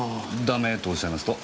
ダメとおっしゃいますと？